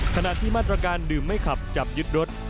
ขณะที่มาตรการดื่มไม่ขับจับยึดรถ